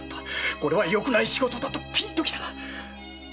これはよくない仕事だとピンときた！